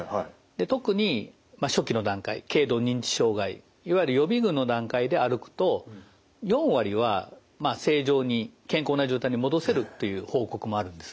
特に初期の段階軽度認知障害いわゆる予備群の段階で歩くと４割は正常に健康な状態に戻せるという報告もあるんです。